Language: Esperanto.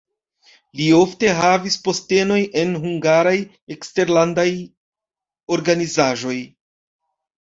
Li ofte havis postenojn en hungaraj eksterlandaj organizaĵoj.